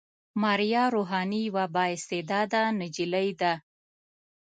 ماريه روحاني يوه با استعداده نجلۍ ده.